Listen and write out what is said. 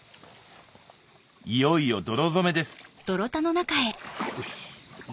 いよいよ泥染めですおっ。